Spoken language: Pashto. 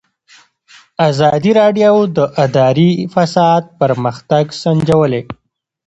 ازادي راډیو د اداري فساد پرمختګ سنجولی.